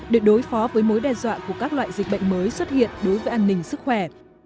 để đối phó với mối đe dọa của các loại dịch bệnh mới xuất hiện đối với an ninh sức khỏe